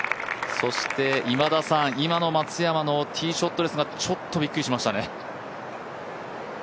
そして、今の松山のティーショットですがちょっとびっくりしましたね。